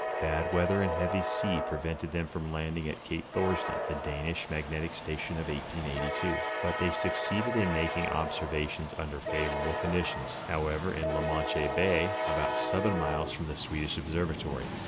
Bad weather and heavy sea prevented them from landing at cape Thorsden, the Danish magnetic station of 1882, but they suc ceeded in making observations under favorable conditions, how ever, in la Manche bay, about 7 miles from the Swedish observ atory.